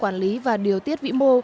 có sự quản lý và điều tiết vĩ mô